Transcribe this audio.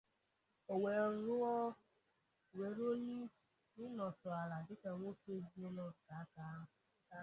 o wee ruo n'ịnọtu ala dịka nwoke ezinaụlọ nke aka ha